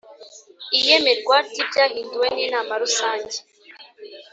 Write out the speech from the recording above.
Iyemerwa ry’ibyahinduwe n’ inama rusange